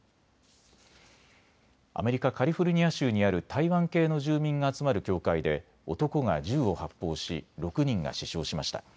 アメリカ・カリフォルニア州にある台湾系の住民が集まる教会で男が銃を発砲し６人が死傷しました。